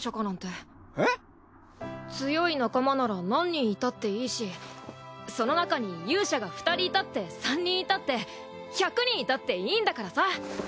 強い仲間なら何人いたっていいしその中に勇者が２人いたって３人いたって１００人いたっていいんだからさ。